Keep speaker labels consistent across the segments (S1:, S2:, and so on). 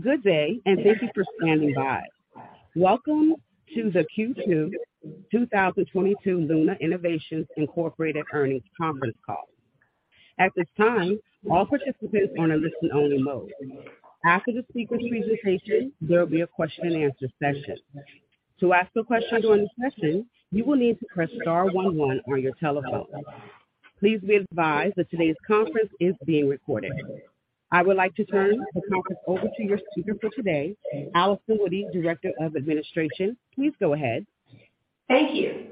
S1: Good day, and thank you for standing by. Welcome to the Q2 2022 Luna Innovations Incorporated earnings conference call. At this time, all participants are in a listen-only mode. After the speaker's presentation, there will be a question-and-answer session. To ask a question during the session, you will need to press star one one on your telephone. Please be advised that today's conference is being recorded. I would like to turn the conference over to your speaker for today, Allison Woody, Director of Administration. Please go ahead.
S2: Thank you.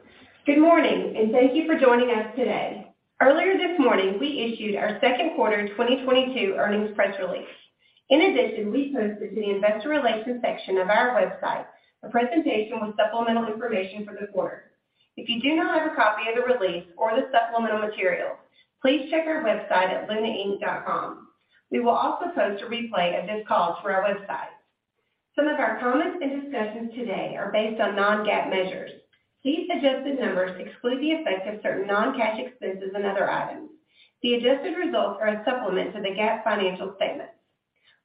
S2: Good morning, and thank you for joining us today. Earlier this morning, we issued our second quarter 2022 earnings press release. In addition, we posted to the investor relations section of our website a presentation with supplemental information for the quarter. If you do not have a copy of the release or the supplemental materials, please check our website at lunainc.com. We will also post a replay of this call to our website. Some of our comments and discussions today are based on non-GAAP measures. These adjusted numbers exclude the effect of certain non-cash expenses and other items. The adjusted results are a supplement to the GAAP financial statements.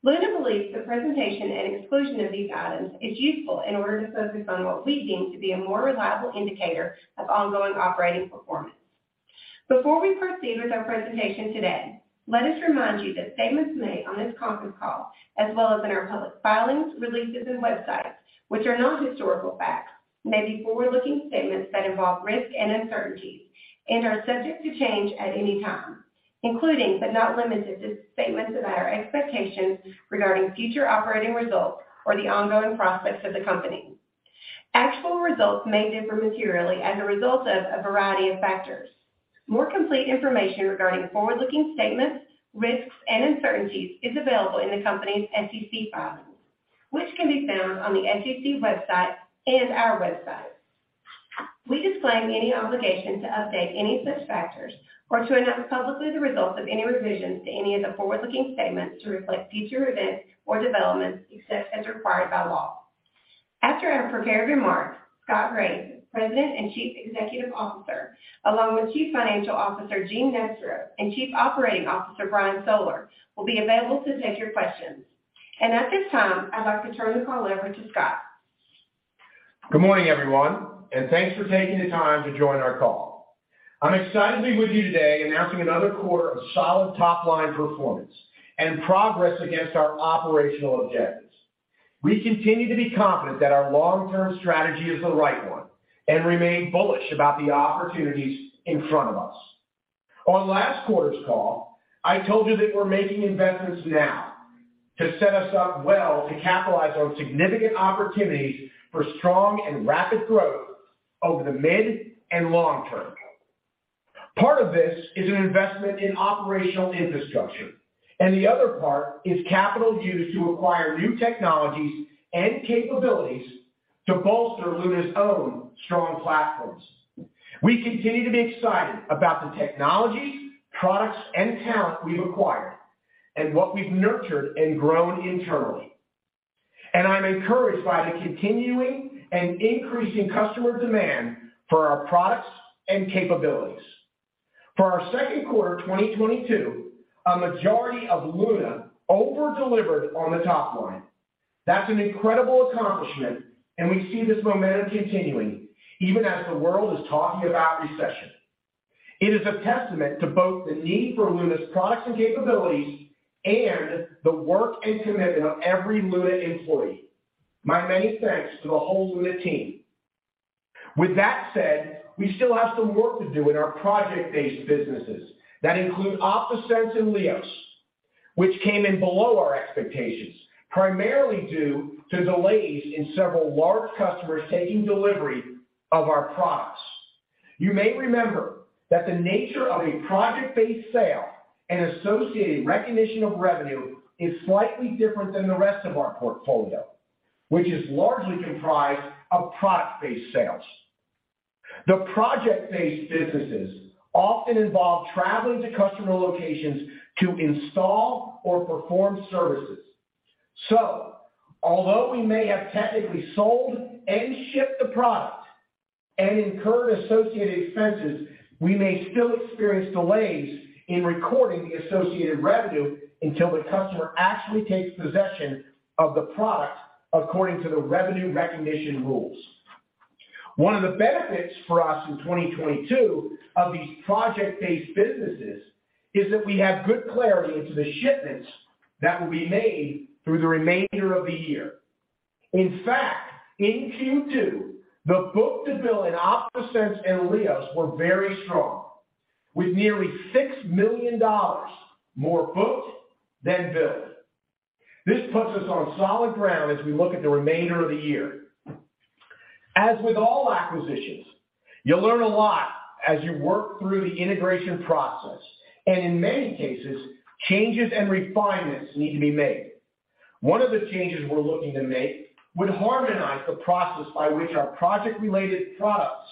S2: Luna believes the presentation and exclusion of these items is useful in order to focus on what we deem to be a more reliable indicator of ongoing operating performance. Before we proceed with our presentation today, let us remind you that statements made on this conference call, as well as in our public filings, releases, and websites, which are non-historical facts, may be forward-looking statements that involve risks and uncertainties and are subject to change at any time, including but not limited to, statements about our expectations regarding future operating results or the ongoing prospects of the company. Actual results may differ materially as a result of a variety of factors. More complete information regarding forward-looking statements, risks, and uncertainties is available in the company's SEC filings, which can be found on the SEC website and our website. We disclaim any obligation to update any such factors or to announce publicly the results of any revisions to any of the forward-looking statements to reflect future events or developments, except as required by law. After our prepared remarks, Scott Graeff, President and Chief Executive Officer, along with Chief Financial Officer, Gene Nestro, and Chief Operating Officer, Brian Soller, will be available to take your questions. At this time, I'd like to turn the call over to Scott.
S3: Good morning, everyone, and thanks for taking the time to join our call. I'm excited to be with you today announcing another quarter of solid top-line performance and progress against our operational objectives. We continue to be confident that our long-term strategy is the right one and remain bullish about the opportunities in front of us. On last quarter's call, I told you that we're making investments now to set us up well to capitalize on significant opportunities for strong and rapid growth over the mid and long term. Part of this is an investment in operational infrastructure, and the other part is capital used to acquire new technologies and capabilities to bolster Luna's own strong platforms. We continue to be excited about the technologies, products, and talent we've acquired and what we've nurtured and grown internally. I'm encouraged by the continuing and increasing customer demand for our products and capabilities. For our second quarter 2022, a majority of Luna over-delivered on the top line. That's an incredible accomplishment, and we see this momentum continuing even as the world is talking about recession. It is a testament to both the need for Luna's products and capabilities and the work and commitment of every Luna employee. My many thanks to the whole Luna team. With that said, we still have some work to do in our project-based businesses that include OptaSense and LIOS, which came in below our expectations, primarily due to delays in several large customers taking delivery of our products. You may remember that the nature of a project-based sale and associated recognition of revenue is slightly different than the rest of our portfolio, which is largely comprised of product-based sales. The project-based businesses often involve traveling to customer locations to install or perform services. Although we may have technically sold and shipped the product and incurred associated expenses, we may still experience delays in recording the associated revenue until the customer actually takes possession of the product according to the revenue recognition rules. One of the benefits for us in 2022 of these project-based businesses is that we have good clarity into the shipments that will be made through the remainder of the year. In fact, in Q2, the book-to-bill in OptaSense and LIOS were very strong, with nearly $6 million more booked than billed. This puts us on solid ground as we look at the remainder of the year. As with all acquisitions, you learn a lot as you work through the integration process, and in many cases, changes and refinements need to be made. One of the changes we're looking to make would harmonize the process by which our project-related products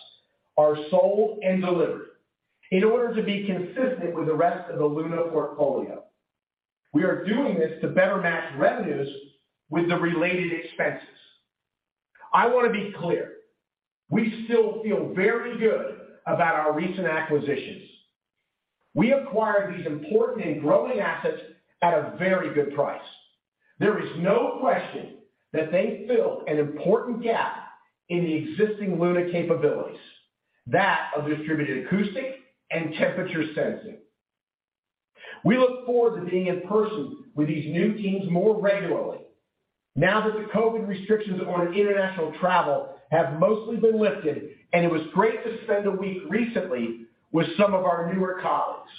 S3: are sold and delivered in order to be consistent with the rest of the Luna portfolio. We are doing this to better match revenues with the related expenses. I want to be clear, we still feel very good about our recent acquisitions. We acquired these important and growing assets at a very good price. There is no question that they fill an important gap in the existing Luna capabilities, that of distributed acoustic and temperature sensing. We look forward to being in person with these new teams more regularly now that the COVID restrictions on international travel have mostly been lifted, and it was great to spend a week recently with some of our newer colleagues.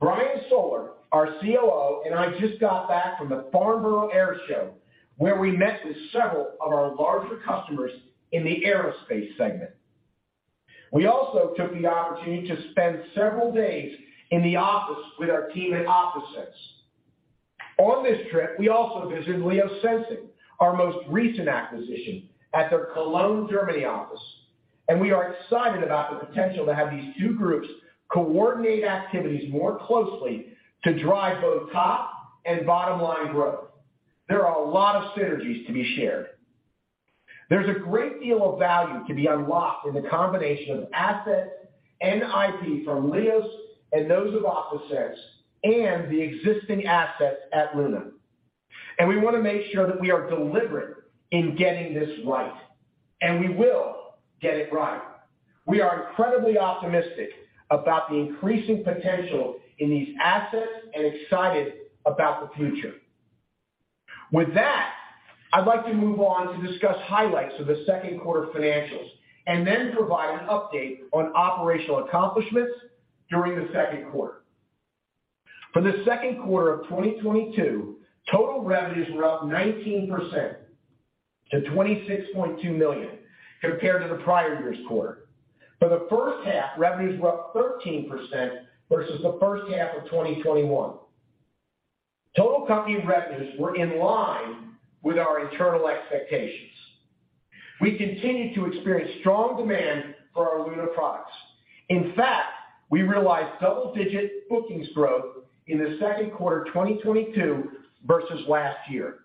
S3: Brian Soller, our COO, and I just got back from the Farnborough International Airshow, where we met with several of our larger customers in the aerospace segment. We also took the opportunity to spend several days in the office with our team at OptaSense. On this trip, we also visited LIOS Sensing, our most recent acquisition at their Cologne, Germany office, and we are excited about the potential to have these two groups coordinate activities more closely to drive both top and bottom-line growth. There are a lot of synergies to be shared. There's a great deal of value to be unlocked in the combination of assets and IP from LIOS and those of OptaSense and the existing assets at Luna. We want to make sure that we are deliberate in getting this right, and we will get it right. We are incredibly optimistic about the increasing potential in these assets and excited about the future. With that, I'd like to move on to discuss highlights of the second quarter financials and then provide an update on operational accomplishments during the second quarter. For the second quarter of 2022, total revenues were up 19% to $26.2 million compared to the prior year's quarter. For the first half, revenues were up 13% versus the first half of 2021. Total company revenues were in line with our internal expectations. We continued to experience strong demand for our Luna products. In fact, we realized double-digit bookings growth in the second quarter 2022 versus last year.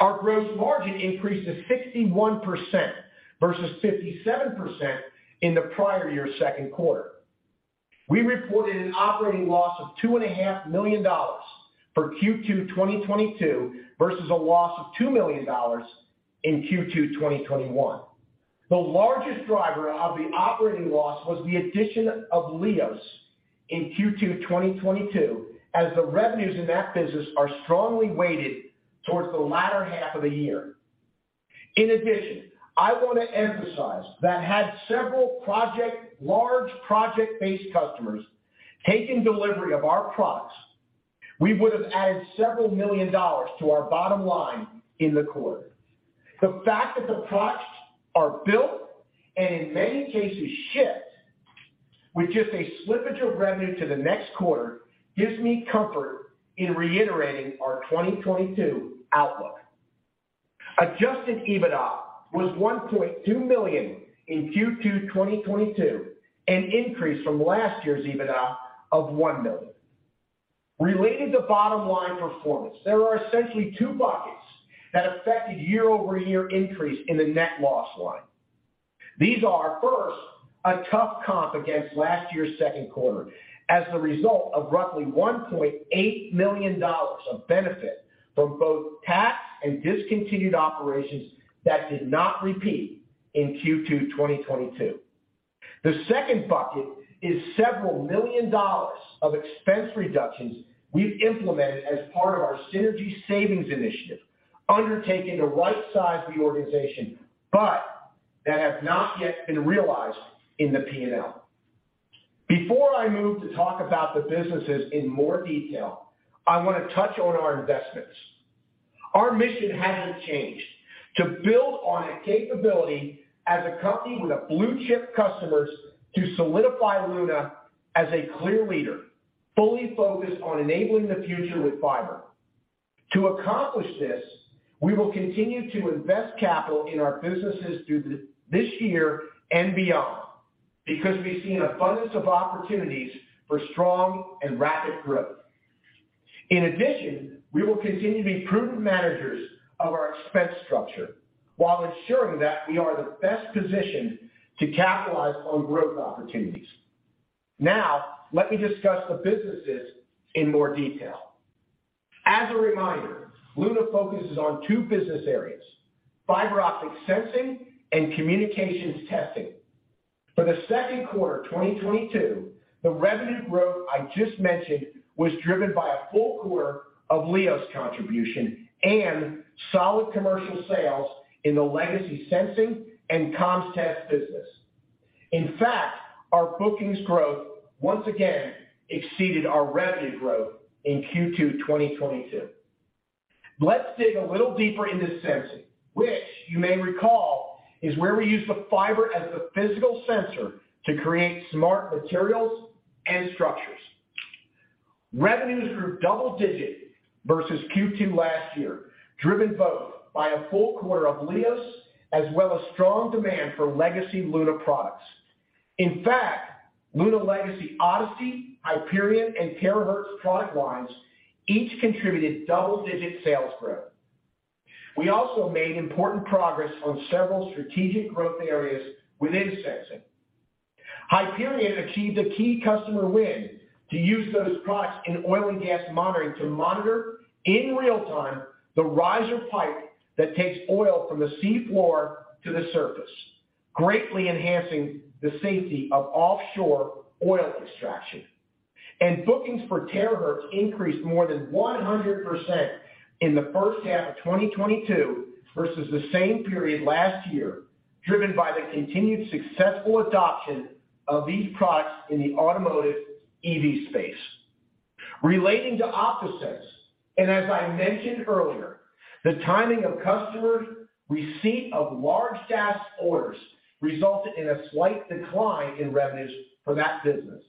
S3: Our gross margin increased to 61% versus 57% in the prior year's second quarter. We reported an operating loss of $2.5 million for Q2 2022 versus a loss of $2 million in Q2 2021. The largest driver of the operating loss was the addition of LIOS in Q2 2022, as the revenues in that business are strongly weighted towards the latter half of the year. I want to emphasize that had several large project-based customers taken delivery of our products, we would have added several million dollars to our bottom line in the quarter. The fact that the products are built and in many cases shipped with just a slippage of revenue to the next quarter gives me comfort in reiterating our 2022 outlook. Adjusted EBITDA was $1.2 million in Q2 2022, an increase from last year's EBITDA of $1 million. Related to bottom-line performance, there are essentially two buckets that affected year-over-year increase in the net loss line. These are, first, a tough comp against last year's second quarter as the result of roughly $1.8 million of benefit from both tax and discontinued operations that did not repeat in Q2 2022. The second bucket is several million dollars of expense reductions we've implemented as part of our synergy savings initiative, undertaking to right size the organization, but that have not yet been realized in the P&L. Before I move to talk about the businesses in more detail, I want to touch on our investments. Our mission hasn't changed, to build on a capability as a company with blue-chip customers to solidify Luna as a clear leader, fully focused on enabling the future with fiber. To accomplish this, we will continue to invest capital in our businesses through this year and beyond because we see an abundance of opportunities for strong and rapid growth. In addition, we will continue to be prudent managers of our expense structure while ensuring that we are the best positioned to capitalize on growth opportunities. Now, let me discuss the businesses in more detail. As a reminder, Luna focuses on two business areas, fiber optic sensing and communications testing. For the second quarter 2022, the revenue growth I just mentioned was driven by a full quarter of LIOS contribution and solid commercial sales in the legacy sensing and comms test business. In fact, our bookings growth once again exceeded our revenue growth in Q2 2022. Let's dig a little deeper into sensing, which you may recall is where we use the fiber as the physical sensor to create smart materials and structures. Revenues grew double-digit versus Q2 last year, driven both by a full quarter of LIOS as well as strong demand for legacy Luna products. In fact, legacy Luna, ODiSI, Hyperion, and Terahertz product lines each contributed double-digit sales growth. We also made important progress on several strategic growth areas within sensing. Hyperion achieved a key customer win to use those products in oil and gas monitoring to monitor in real time the riser pipe that takes oil from the sea floor to the surface, greatly enhancing the safety of offshore oil extraction. Bookings for Terahertz increased more than 100% in the first half of 2022 versus the same period last year, driven by the continued successful adoption of these products in the automotive EV space. Relating to OptaSense, and as I mentioned earlier, the timing of customer receipt of large DAS orders resulted in a slight decline in revenues for that business.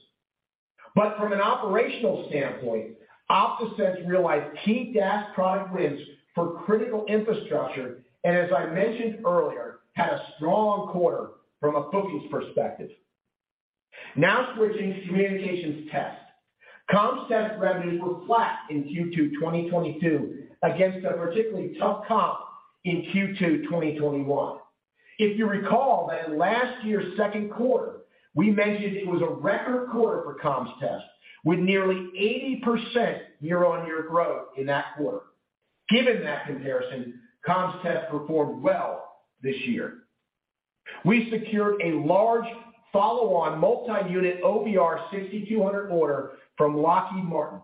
S3: From an operational standpoint, OptaSense realized key DAS product wins for critical infrastructure, and as I mentioned earlier, had a strong quarter from a bookings perspective. Now switching to communications test. Comms test revenues were flat in Q2 2022 against a particularly tough comp in Q2 2021. If you recall that in last year's second quarter, we mentioned it was a record quarter for Comms test with nearly 80% year-on-year growth in that quarter. Given that comparison, Comms test performed well this year. We secured a large follow-on multi-unit OBR 6200 order from Lockheed Martin.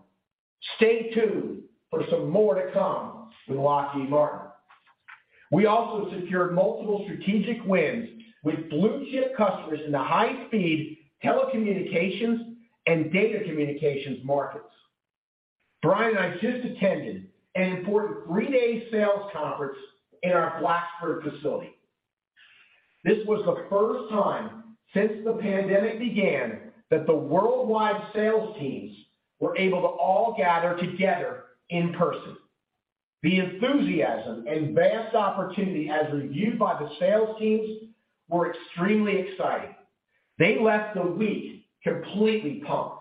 S3: Stay tuned for some more to come with Lockheed Martin. We also secured multiple strategic wins with blue-chip customers in the high-speed telecommunications and data communications markets. Brian and I just attended an important three-day sales conference in our Blacksburg facility. This was the first time since the pandemic began that the worldwide sales teams were able to all gather together in person. The enthusiasm and vast opportunity as reviewed by the sales teams were extremely exciting. They left the week completely pumped.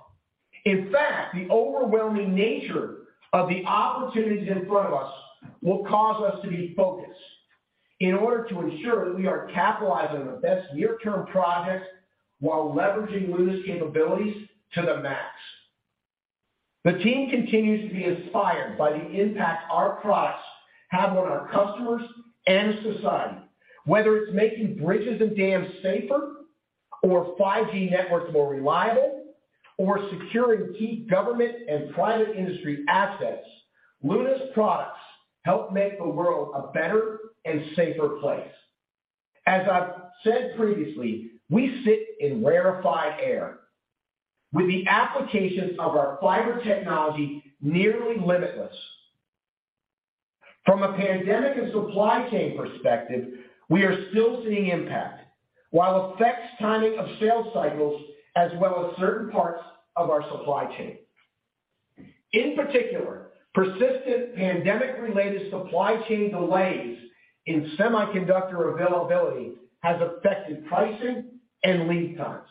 S3: In fact, the overwhelming nature of the opportunities in front of us will cause us to be focused in order to ensure that we are capitalizing on the best near-term projects while leveraging Luna's capabilities to the max. The team continues to be inspired by the impact our products have on our customers and society, whether it's making bridges and dams safer or 5G networks more reliable or securing key government and private industry assets. Luna's products help make the world a better and safer place. As I've said previously, we sit in rarefied air with the applications of our fiber technology nearly limitless. From a pandemic and supply chain perspective, we are still seeing impact which affects timing of sales cycles as well as certain parts of our supply chain. In particular, persistent pandemic-related supply chain delays in semiconductor availability has affected pricing and lead times.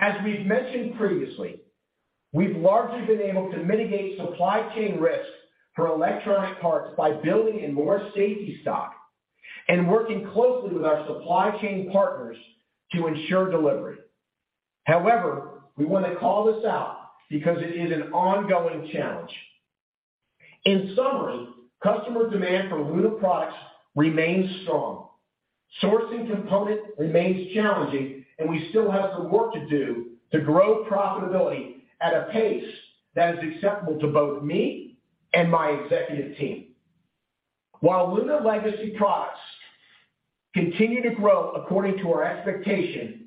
S3: As we've mentioned previously, we've largely been able to mitigate supply chain risks for electronic parts by building in more safety stock and working closely with our supply chain partners to ensure delivery. However, we want to call this out because it is an ongoing challenge. In summary, customer demand for Luna products remains strong. Sourcing components remains challenging, and we still have some work to do to grow profitability at a pace that is acceptable to both me and my executive team. While Luna legacy products continue to grow according to our expectations,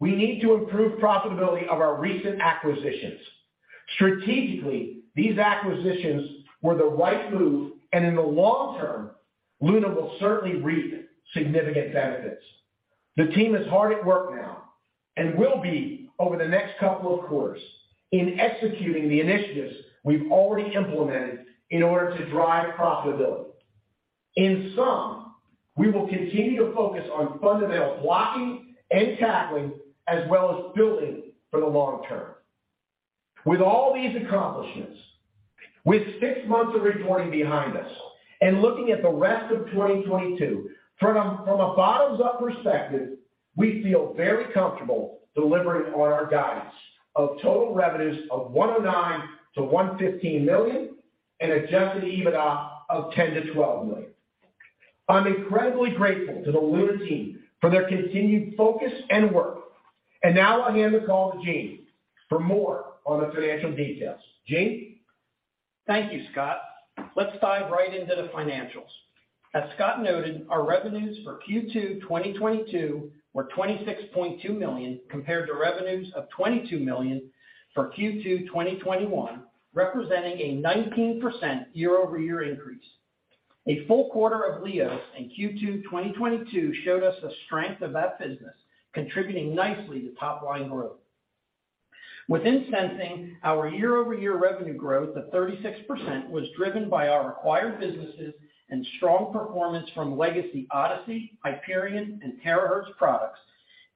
S3: we need to improve profitability of our recent acquisitions. Strategically, these acquisitions were the right move, and in the long term, Luna will certainly reap significant benefits. The team is hard at work now and will be over the next couple of quarters in executing the initiatives we've already implemented in order to drive profitability. In sum, we will continue to focus on fundamental blocking and tackling as well as building for the long term. With all these accomplishments, with six months of reporting behind us, and looking at the rest of 2022, from a bottoms-up perspective, we feel very comfortable delivering on our guidance of total revenues of $109 million-$115 million and adjusted EBITDA of $10 million-$12 million. I'm incredibly grateful to the Luna team for their continued focus and work. Now I'll hand the call to Gene for more on the financial details. Gene?
S4: Thank you, Scott. Let's dive right into the financials. As Scott noted, our revenues for Q2 2022 were $26.2 million compared to revenues of $22 million for Q2 2021, representing a 19% year-over-year increase. A full quarter of LIOS in Q2 2022 showed us the strength of that business, contributing nicely to top-line growth. Within sensing, our year-over-year revenue growth of 36% was driven by our acquired businesses and strong performance from legacy ODiSI, Hyperion and Terahertz products,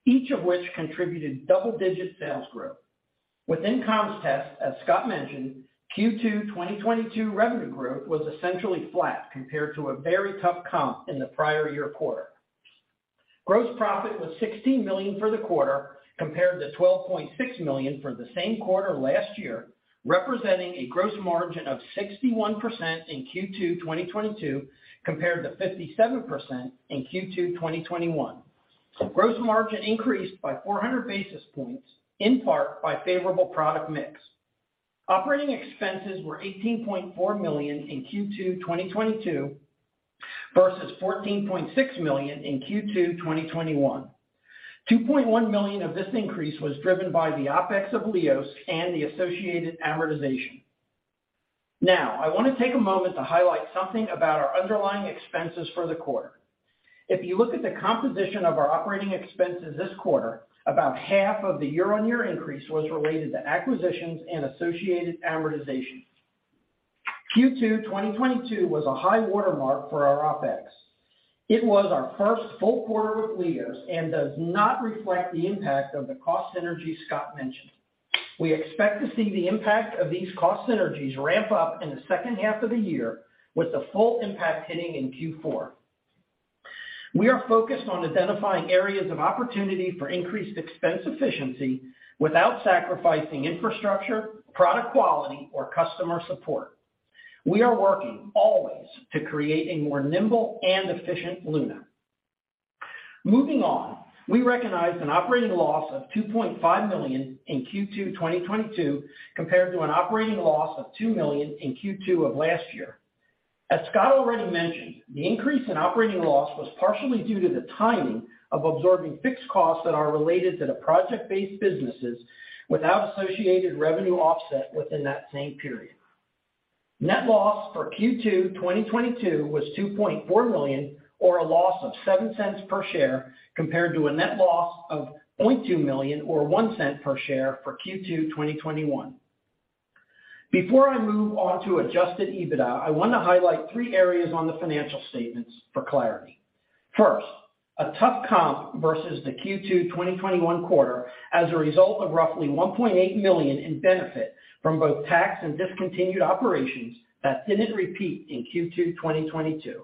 S4: each of which contributed double-digit sales growth. Within comms test, as Scott mentioned, Q2 2022 revenue growth was essentially flat compared to a very tough comp in the prior year quarter. Gross profit was $16 million for the quarter compared to $12.6 million for the same quarter last year, representing a gross margin of 61% in Q2 2022 compared to 57% in Q2 2021. Gross margin increased by 400 basis points, in part by favorable product mix. Operating expenses were $18.4 million in Q2 2022 versus $14.6 million in Q2 2021. $2.1 million of this increase was driven by the OpEx of LIOS and the associated amortization. Now, I wanna take a moment to highlight something about our underlying expenses for the quarter. If you look at the composition of our operating expenses this quarter, about half of the year-on-year increase was related to acquisitions and associated amortization. Q2 2022 was a high watermark for our OpEx. It was our first full quarter with LIOS and does not reflect the impact of the cost synergy Scott mentioned. We expect to see the impact of these cost synergies ramp up in the second half of the year with the full impact hitting in Q4. We are focused on identifying areas of opportunity for increased expense efficiency without sacrificing infrastructure, product quality, or customer support. We are working always to create a more nimble and efficient Luna. Moving on. We recognized an operating loss of $2.5 million in Q2 2022 compared to an operating loss of $2 million in Q2 of last year. As Scott already mentioned, the increase in operating loss was partially due to the timing of absorbing fixed costs that are related to the project-based businesses without associated revenue offset within that same period. Net loss for Q2 2022 was $2.4 million or a loss of $0.07 per share compared to a net loss of $0.2 million or $0.01 per share for Q2 2021. Before I move on to adjusted EBITDA, I wanna highlight three areas on the financial statements for clarity. First, a tough comp versus the Q2 2021 quarter as a result of roughly $1.8 million in benefit from both tax and discontinued operations that didn't repeat in Q2 2022.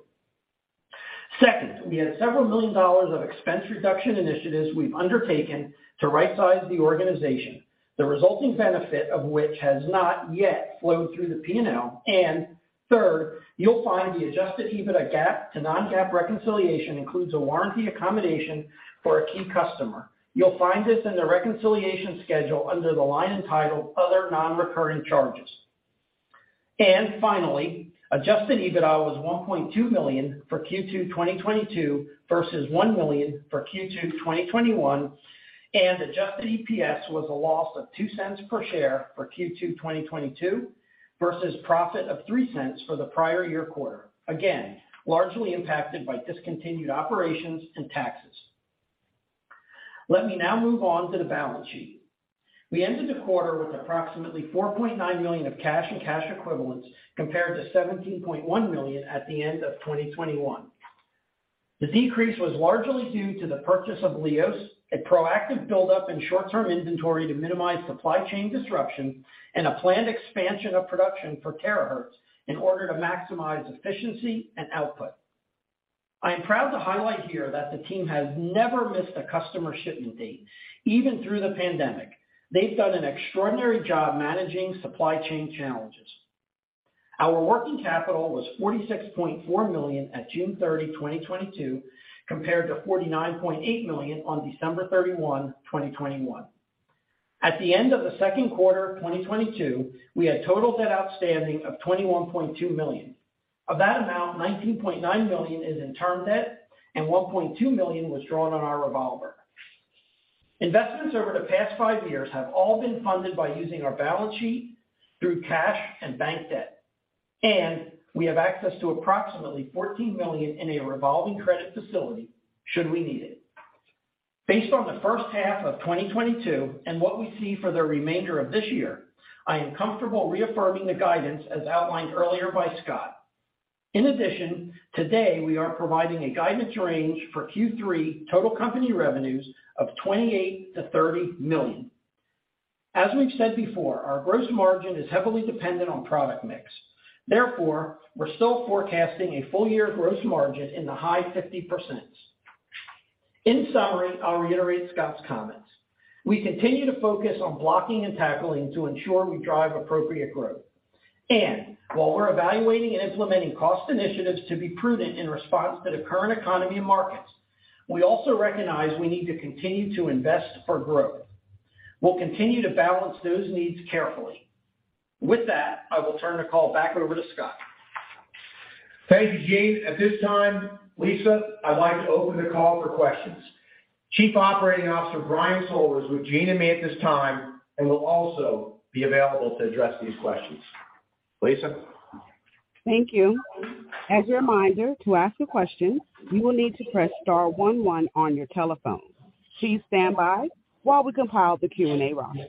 S4: Second, we had several million dollars of expense reduction initiatives we've undertaken to right-size the organization, the resulting benefit of which has not yet flowed through the P&L. Third, you'll find the adjusted EBITDA gap to non-GAAP reconciliation includes a warranty accommodation for a key customer. You'll find this in the reconciliation schedule under the line entitled Other Non-recurring Charges. Finally, adjusted EBITDA was $1.2 million for Q2 2022 versus $1 million for Q2 2021, and adjusted EPS was a loss of $0.02 per share for Q2 2022 versus profit of $0.03 for the prior year quarter. Again, largely impacted by discontinued operations and taxes. Let me now move on to the balance sheet. We ended the quarter with approximately $4.9 million of cash-and-cash equivalents compared to $17.1 million at the end of 2021. The decrease was largely due to the purchase of LIOS, a proactive buildup in short-term inventory to minimize supply chain disruption, and a planned expansion of production for Terahertz in order to maximize efficiency and output. I am proud to highlight here that the team has never missed a customer shipment date, even through the pandemic. They've done an extraordinary job managing supply chain challenges. Our working capital was $46.4 million at June 30, 2022, compared to $49.8 million on December 31, 2021. At the end of the second quarter 2022, we had total debt outstanding of $21.2 million. Of that amount, $19.9 million is in term debt, and $1.2 million was drawn on our revolver. Investments over the past five years have all been funded by using our balance sheet through cash and bank debt, and we have access to approximately $14 million in a revolving credit facility should we need it. Based on the first half of 2022 and what we see for the remainder of this year, I am comfortable reaffirming the guidance as outlined earlier by Scott. In addition, today, we are providing a guidance range for Q3 total company revenues of $28 million-$30 million. As we've said before, our gross margin is heavily dependent on product mix. Therefore, we're still forecasting a full year gross margin in the high 50%. In summary, I'll reiterate Scott's comments. We continue to focus on blocking and tackling to ensure we drive appropriate growth. While we're evaluating and implementing cost initiatives to be prudent in response to the current economy and markets, we also recognize we need to continue to invest for growth. We'll continue to balance those needs carefully. With that, I will turn the call back over to Scott.
S3: Thank you, Gene. At this time, Lisa, I'd like to open the call for questions. Chief Operating Officer Brian Soller is with Gene and me at this time and will also be available to address these questions. Lisa?
S1: Thank you. As a reminder, to ask a question, you will need to press star one one on your telephone. Please stand by while we compile the Q&A roster.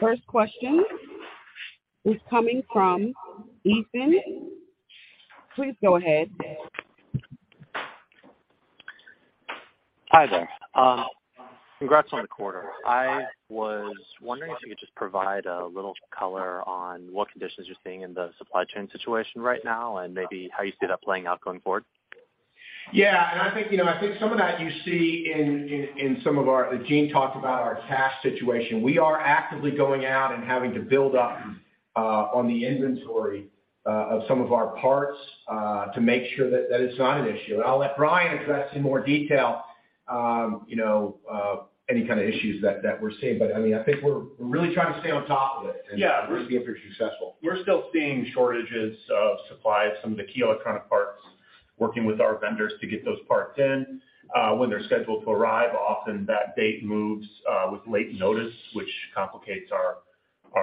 S1: First question is coming from Ethan. Please go ahead.
S5: Hi there. Congrats on the quarter. I was wondering if you could just provide a little color on what conditions you're seeing in the supply chain situation right now and maybe how you see that playing out going forward.
S3: Yeah. I think, you know, I think some of that you see in some of our. Gene talked about our cash situation. We are actively going out and having to build up on the inventory of some of our parts to make sure that it's not an issue. I'll let Brian address in more detail, you know, any kind of issues that we're seeing. I mean, I think we're really trying to stay on top of it.
S6: Yeah.
S3: We're being pretty successful.
S6: We're still seeing shortages of supply of some of the key electronic parts, working with our vendors to get those parts in, when they're scheduled to arrive. Often that date moves, with late notice, which complicates our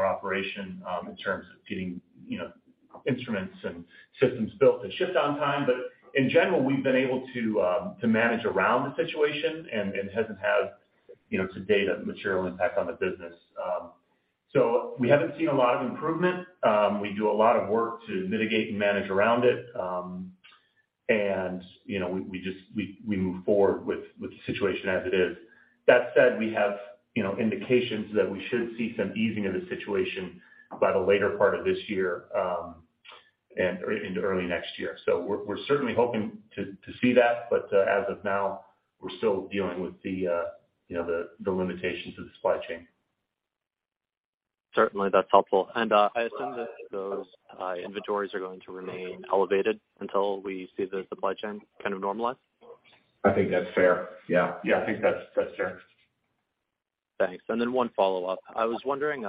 S6: operation, in terms of getting, you know, instruments and systems built and shipped on time. But in general, we've been able to manage around the situation and hasn't had, you know, to date, a material impact on the business. We haven't seen a lot of improvement. We do a lot of work to mitigate and manage around it. You know, we just move forward with the situation as it is. That said, we have, you know, indications that we should see some easing of the situation by the later part of this year, and into early next year. We're certainly hoping to see that. As of now, we're still dealing with you know, the limitations of the supply chain.
S5: Certainly. That's helpful. I assume that those inventories are going to remain elevated until we see the supply chain kind of normalize.
S6: I think that's fair. Yeah. Yeah. I think that's fair.
S5: Thanks. One follow-up. I was wondering,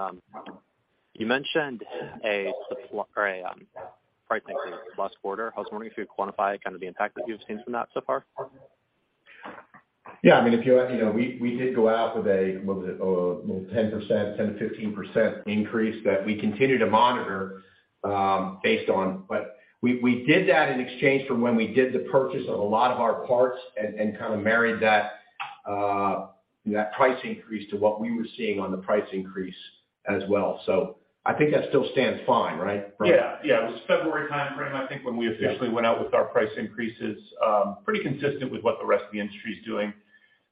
S5: you mentioned a price increase last quarter. I was wondering if you could quantify kind of the impact that you've seen from that so far.
S3: Yeah. I mean, if you know, we did go out with a little bit 10%-15% increase that we continue to monitor based on. We did that in exchange for when we did the purchase of a lot of our parts and kind of married that price increase to what we were seeing in the price increases as well. I think that still stands fine, right, Brian?
S6: Yeah. Yeah. It was February timeframe, I think, when we officially went out with our price increases, pretty consistent with what the rest of the industry is doing.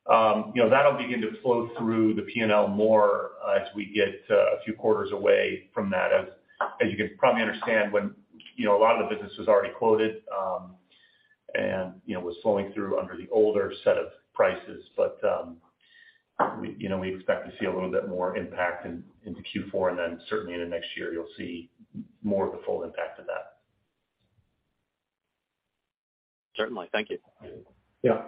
S6: You know, that'll begin to flow through the P&L more, as we get a few quarters away from that. As you can probably understand, when, you know, a lot of the business was already quoted, and, you know, was flowing through under the older set of prices. We, you know, expect to see a little bit more impact into Q4, and then certainly in the next year you'll see more of the full impact of that.
S5: Certainly. Thank you.
S3: Yeah.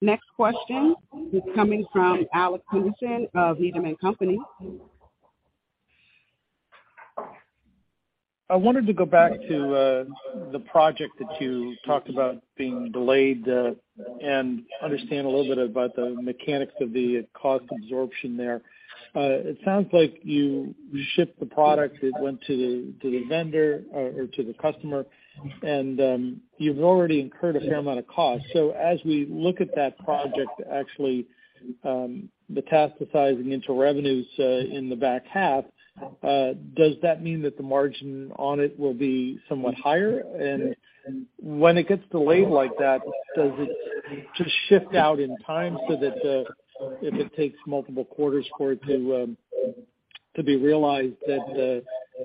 S1: Next question is coming from Alex Henderson of Needham & Company.
S7: I wanted to go back to the project that you talked about being delayed and understand a little bit about the mechanics of the cost absorption there. It sounds like you shipped the product, it went to the vendor or to the customer, and you've already incurred a fair amount of cost. As we look at that project actually metastasizing into revenues in the back half, does that mean that the margin on it will be somewhat higher? When it gets delayed like that, does it just shift out in time so that if it takes multiple quarters for it to be realized, that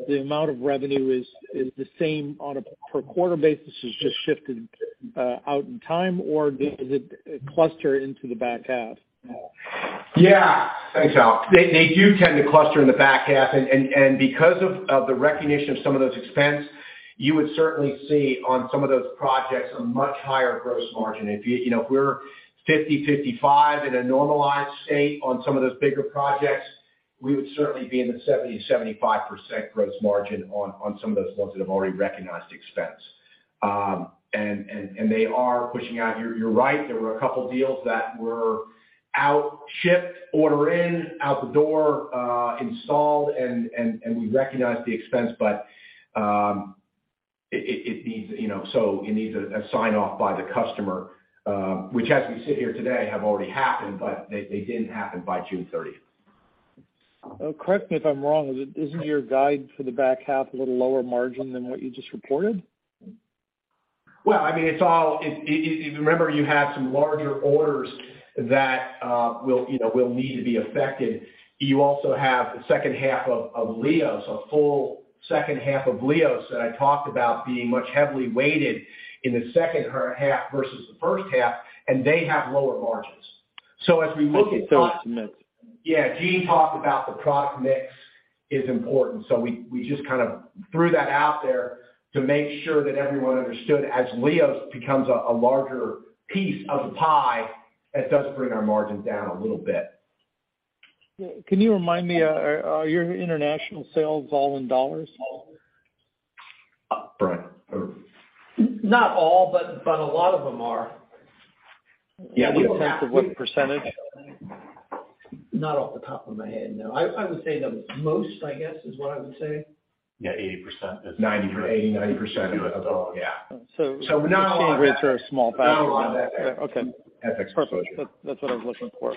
S7: the amount of revenue is the same on a per quarter basis, it's just shifted out in time, or does it cluster into the back half?
S3: Yeah. Thanks, Alex. They do tend to cluster in the back half. Because of the recognition of some of those expenses, you would certainly see on some of those projects a much higher gross margin. You know, if we're 50%-55% in a normalized state on some of those bigger projects, we would certainly be in the 70%-75% gross margin on some of those ones that have already recognized expenses. They are pushing out. You're right, there were a couple deals that were shipped out the door, installed, and we recognized the expense, but it needs a sign-off by the customer, which as we sit here today have already happened, but they didn't happen by June 30.
S7: Correct me if I'm wrong, isn't your guide for the back half a little lower margin than what you just reported?
S3: Well, I mean, it's all. Remember, you have some larger orders that will, you know, will need to be affected. You also have the second half of LIOS, a full second half of LIOS that I talked about being much heavily weighted in the second half versus the first half, and they have lower margins. As we look at
S7: Okay. It's a mix.
S3: Yeah. Gene talked about the product mix is important, so we just kind of threw that out there to make sure that everyone understood as LIOS becomes a larger piece of the pie, that does bring our margins down a little bit.
S7: Can you remind me, are your international sales all in dollars?
S3: Not all, but a lot of them are.
S6: Yeah. Do you have a sense of what percentage?
S3: Not off the top of my head, no. I would say that most, I guess, is what I would say.
S6: Yeah, 80%.
S3: Ninety per- eighty, ninety percent of it.
S6: Oh, yeah.
S3: Not all of that.
S7: Rates are small.
S3: Not all of that.
S7: Okay.
S6: FX exposure.
S7: Perfect. That's what I was looking for.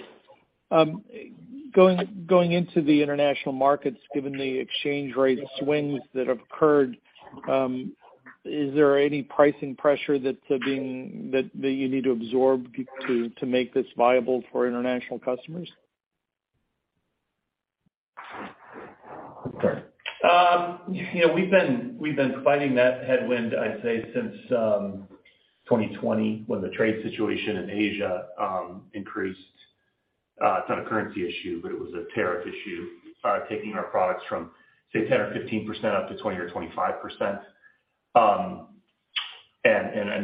S7: Going into the international markets, given the exchange rate swings that have occurred, is there any pricing pressure that you need to absorb to make this viable for international customers?
S6: You know, we've been fighting that headwind, I'd say, since 2020 when the trade situation in Asia increased. It's not a currency issue, but it was a tariff issue taking our products from, say, 10%-15% up to 20%-25%.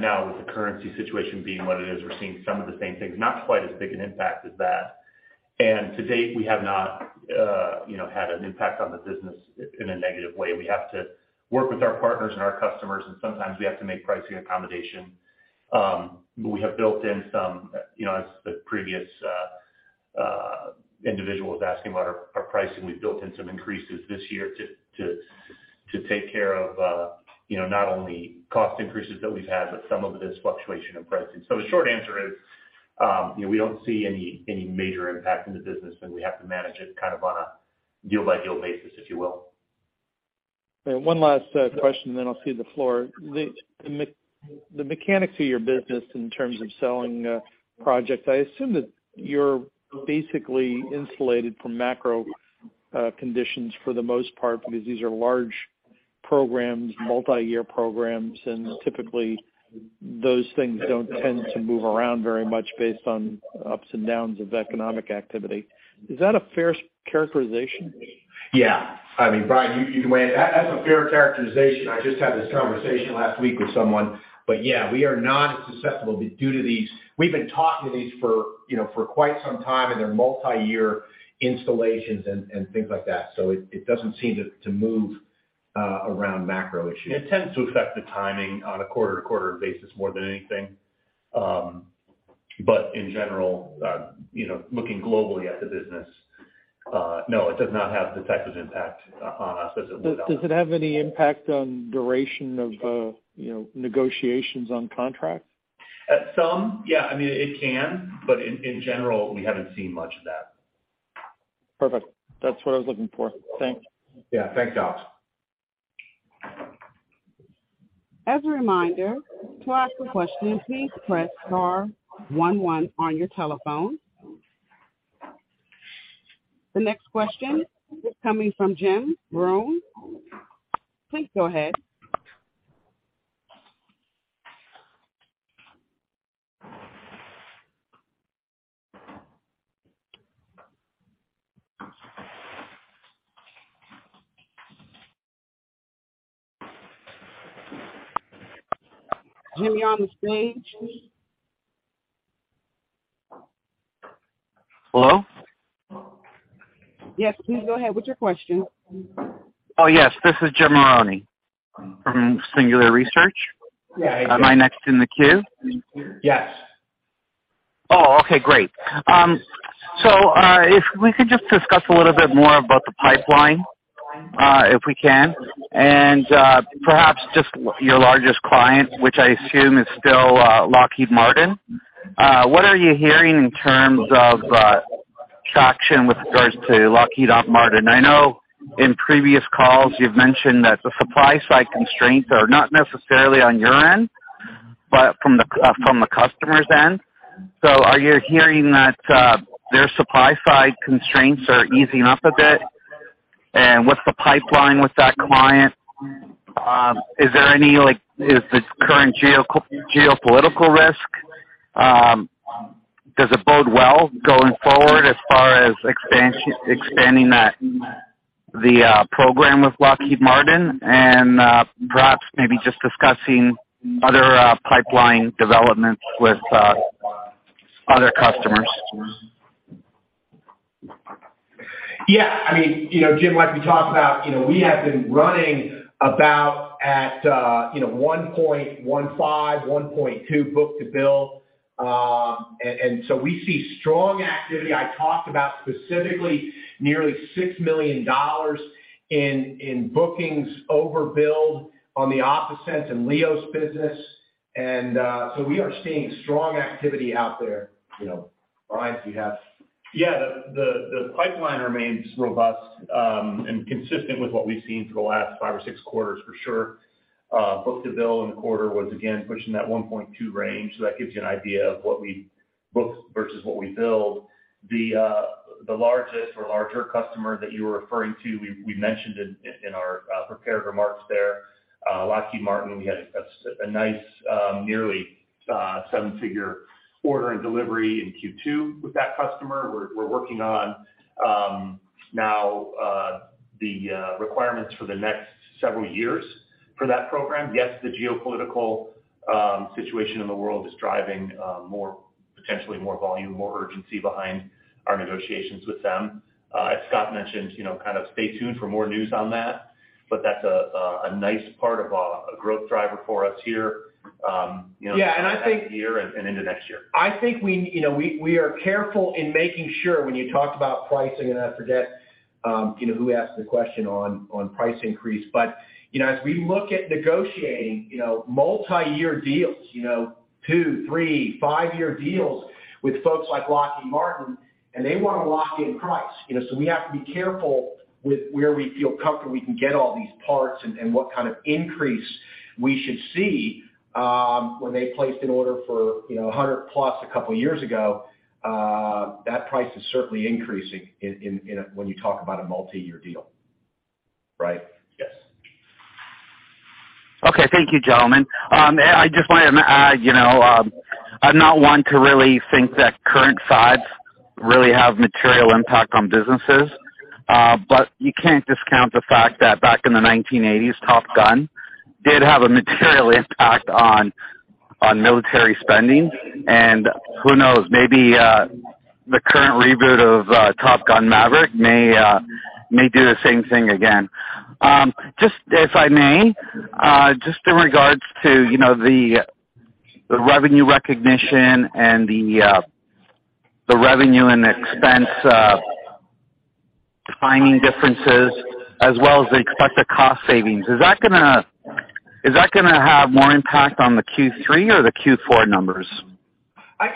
S6: Now with the currency situation being what it is, we're seeing some of the same things. Not quite as big an impact as that. To date, we have not, you know, had an impact on the business in a negative way. We have to work with our partners and our customers, and sometimes we have to make pricing accommodation. We have built in some, you know, as the previous individual was asking about our pricing. We've built in some increases this year to take care of, you know, not only cost increases that we've had, but some of it is fluctuation in pricing. The short answer is, you know, we don't see any major impact in the business, and we have to manage it kind of on a deal-by-deal basis, if you will.
S7: One last question, and then I'll cede the floor. The mechanics of your business in terms of selling projects, I assume that you're basically insulated from macro conditions for the most part because these are large programs, multi-year programs, and typically those things don't tend to move around very much based on ups and downs of economic activity. Is that a fair characterization?
S3: Yeah. I mean, Brian, you can weigh in. That's a fair characterization. I just had this conversation last week with someone. Yeah, we are not as susceptible due to these. We've been talking to these for, you know, for quite some time, and they're multi-year installations and things like that. It doesn't seem to move around macro issues.
S6: It tends to affect the timing on a quarter-to-quarter basis more than anything. In general, you know, looking globally at the business, no, it does not have the type of impact on us as it would otherwise.
S7: Does it have any impact on duration of, you know, negotiations on contracts?
S3: At some, yeah. I mean, it can, but in general, we haven't seen much of that.
S7: Perfect. That's what I was looking for. Thank you.
S3: Yeah. Thanks, Alex.
S1: As a reminder, to ask a question, please press star one one on your telephone. The next question is coming from Jim Rone. Please go ahead. Jim, are you on the stage?
S8: Hello.
S1: Yes, please go ahead with your question.
S8: Oh, yes. This is Jim Maroney from Singular Research.
S3: Yeah. Hey, Jim.
S8: Am I next in the queue?
S3: Yes.
S8: Oh, okay. Great. If we could just discuss a little bit more about the pipeline, if we can, and perhaps just your largest client, which I assume is still Lockheed Martin. What are you hearing in terms of traction with regards to Lockheed Martin? I know in previous calls you've mentioned that the supply side constraints are not necessarily on your end, but from the customer's end. Are you hearing that their supply side constraints are easing up a bit? What's the pipeline with that client? Is there any like current geopolitical risk, does it bode well going forward as far as expanding that, the program with Lockheed Martin? Perhaps maybe just discussing other pipeline developments with other customers.
S3: Yeah. I mean, you know, Jim, like we talked about, you know, we have been running about at 1.15, 1.2 book-to-bill. And so we see strong activity. I talked about specifically nearly $6 million in bookings over bill on the OptaSense and LIOS business. And so we are seeing strong activity out there. You know, Brian, do you have-
S6: Yeah. The pipeline remains robust and consistent with what we've seen for the last five or six quarters for sure. Book-to-bill in the quarter was again pushing that 1.2 range. So that gives you an idea of what we book versus what we bill. The largest or larger customer that you were referring to, we mentioned in our prepared remarks there, Lockheed Martin. We had a nice nearly seven-figure order and delivery in Q2 with that customer. We're working on now the requirements for the next several years for that program. Yes, the geopolitical situation in the world is driving more, potentially more volume, more urgency behind our negotiations with them. As Scott mentioned, you know, kind of stay tuned for more news on that, but that's a nice part of a growth driver for us here, you know.
S3: Yeah. I think.
S6: into next year.
S3: I think we, you know, are careful in making sure when you talk about pricing, and I forget, you know, who asked the question on price increase, but, you know, as we look at negotiating, you know, multiyear deals, you know, two, three, five-year deals with folks like Lockheed Martin, and they wanna lock in price, you know. We have to be careful with where we feel comfortable we can get all these parts and what kind of increase we should see, when they placed an order for, you know, 100+ a couple years ago, that price is certainly increasing when you talk about a multiyear deal. Right?
S6: Yes.
S8: Okay. Thank you, gentlemen. I just wanted to add, you know, I'm not one to really think that current sci-fi really have material impact on businesses, but you can't discount the fact that back in the 1980s, Top Gun did have a material impact on military spending. Who knows, maybe the current reboot of Top Gun: Maverick may do the same thing again. Just if I may, just in regards to the revenue recognition and the revenue and expense defining differences as well as the expected cost savings. Is that gonna have more impact on the Q3 or the Q4 numbers?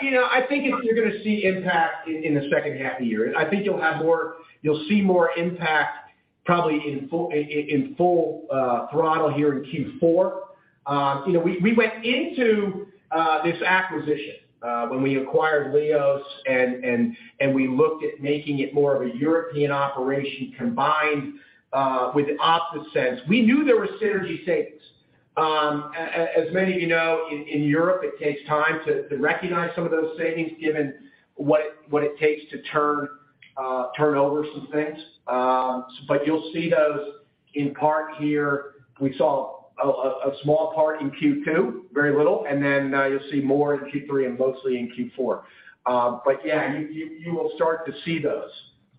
S3: You know, I think if you're gonna see impact in the second half of the year. I think you'll see more impact probably in full throttle here in Q4. You know, we went into this acquisition when we acquired LIOS and we looked at making it more of a European operation combined with OptaSense. We knew there were synergy savings. As many of you know, in Europe, it takes time to recognize some of those savings given what it takes to turn over some things. You'll see those in part here. We saw a small part in Q2, very little, and then you'll see more in Q3 and mostly in Q4. Yeah, you will start to see those.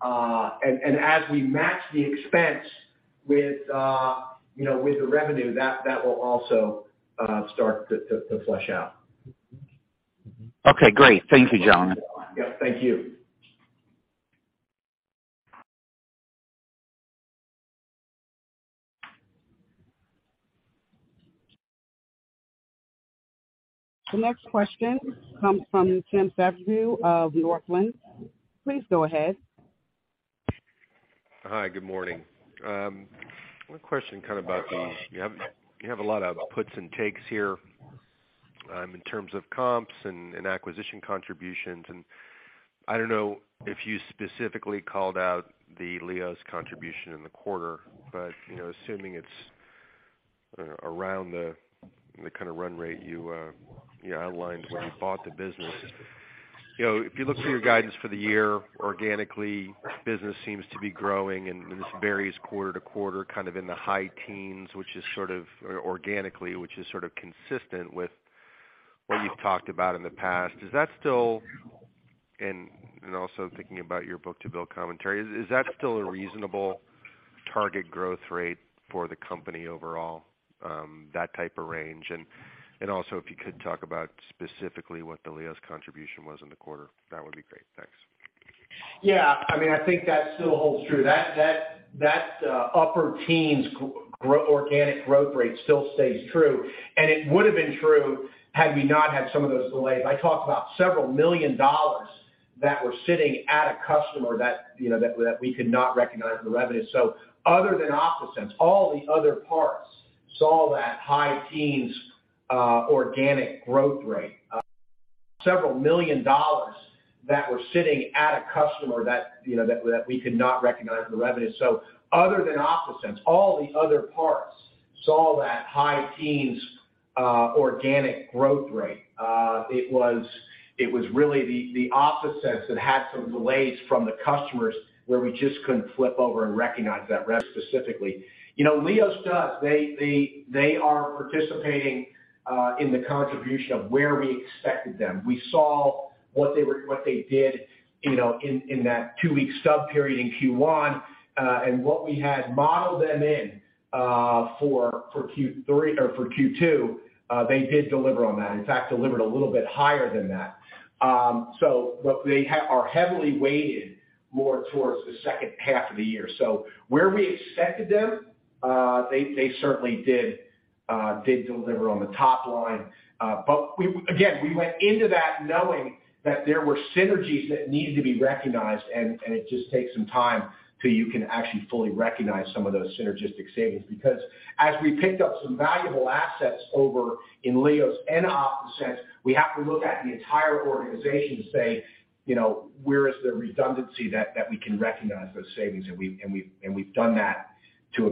S3: As we match the expense with you know with the revenue, that will also start to flesh out.
S8: Okay, great. Thank you, gentlemen.
S3: Yeah. Thank you.
S1: The next question comes from Tim Savageaux of Northland Capital Markets. Please go ahead.
S9: Hi. Good morning. One question kind of about the. You have a lot of puts and takes here in terms of comps and acquisition contributions. I don't know if you specifically called out the LIOS contribution in the quarter, but you know, assuming it's around the kinda run rate you outlined when you bought the business. You know, if you look through your guidance for the year organically, business seems to be growing, and this varies quarter-to-quarter, kind of in the high teens, which is sort of organically, which is sort of consistent with what you've talked about in the past. Is that still also thinking about your book-to-bill commentary, is that a reasonable target growth rate for the company overall, that type of range? also if you could talk about specifically what the LIOS contribution was in the quarter, that would be great. Thanks.
S3: Yeah. I mean, I think that still holds true. That upper teens organic growth rate still stays true. It would have been true had we not had some of those delays. I talked about $several million that were sitting at a customer that we could not recognize the revenue. Other than OptaSense, all the other parts saw that high teens organic growth rate. It was really the OptaSense that had some delays from the customers where we just couldn't flip over and recognize that rev specifically. You know, LIOS does. They are participating in the contribution of where we expected them. We saw what they did, you know, in that two-week sub-period in Q1, and what we had modeled them in for Q3 or for Q2, they did deliver on that. In fact, delivered a little bit higher than that. What they are heavily weighted more towards the second half of the year. Where we expected them, they certainly did deliver on the top line. Again, we went into that knowing that there were synergies that needed to be recognized, and it just takes some time until you can actually fully recognize some of those synergistic savings. Because as we picked up some valuable assets over in LIOS and OptaSense, we have to look at the entire organization to say, you know, where is the redundancy that we can recognize those savings? And we've done that to a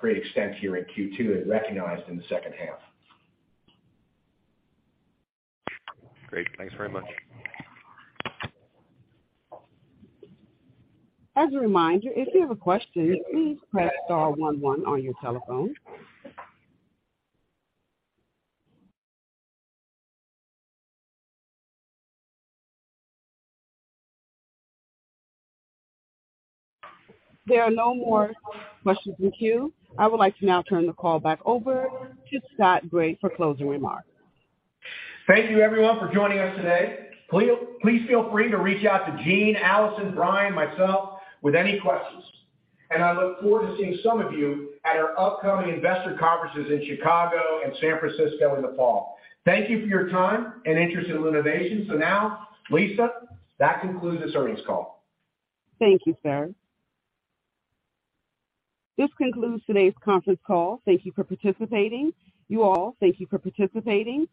S3: great extent here in Q2 and recognized in the second half.
S9: Great. Thanks very much.
S1: As a reminder, if you have a question, please press star one one on your telephone. There are no more questions in queue. I would like to now turn the call back over to Scott Graeff for closing remarks.
S3: Thank you everyone for joining us today. Please feel free to reach out to Gene, Allison, Brian, myself, with any questions. I look forward to seeing some of you at our upcoming investor conferences in Chicago and San Francisco in the fall. Thank you for your time and interest in Luna Innovations. Now, Lisa, that concludes this earnings call.
S1: Thank you, sir. This concludes today's conference call. Thank you for participating. You all, thank you for participating.